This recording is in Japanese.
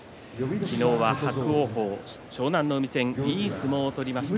昨日は伯桜鵬、湘南乃海戦でいい相撲を取りました。